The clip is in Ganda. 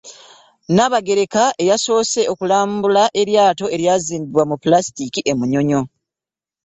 Nnaabagereka eyasoose okulambula eryato eryazimbiddwa mu pulasitiiki e Munyonyo.